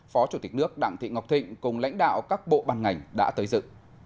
phó chủ tịch nước đặng thị ngọc thịnh cùng lãnh đạo các bộ ban ngành đã tới dự